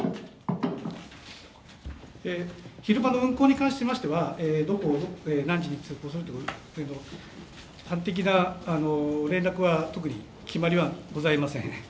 昼間の運行に関しましてはどこを何時に通行するという端的な連絡は、特に決まりはございません。